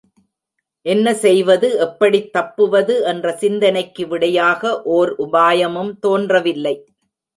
என்ன செய்வது எப்படித் தப்புவது என்ற சிந்தனைக்கு விடையாக ஓர் உபாயமும் தோன்றவில்லை.